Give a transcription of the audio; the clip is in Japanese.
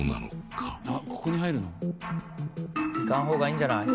行かん方がいいんじゃない？